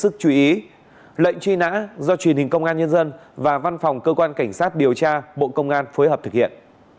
sức chú ý lệnh truy nã do truyền hình công an nhân dân và văn phòng cơ quan cảnh sát điều tra bộ công an phối hợp thực hiện